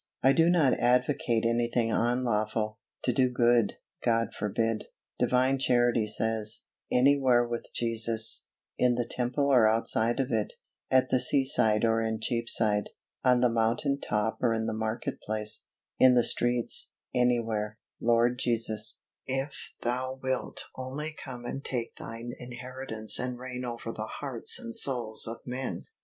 I do not advocate anything unlawful, to do good God forbid. Divine Charity says, "Anywhere with Jesus" in the temple or outside of it at the seaside or in Cheapside on the mountain top or in the market place in the streets anywhere, Lord Jesus, if Thou wilt only come and take Thine inheritance and reign over the hearts and souls of men.